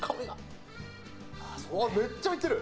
めっちゃ入ってる！